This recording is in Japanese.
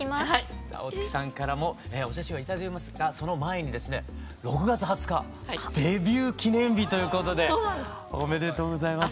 さぁ大月さんからもお写真は頂いていますがその前にですね６月２０日デビュー記念日ということでおめでとうございます。